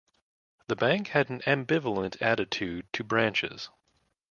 The Bank had an ambivalent attitude to branches.